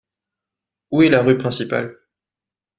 Où est la rue principale ?